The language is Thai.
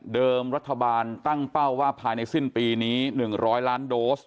รัฐบาลตั้งเป้าว่าภายในสิ้นปีนี้๑๐๐ล้านโดส